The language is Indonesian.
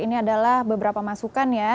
ini adalah beberapa masukan ya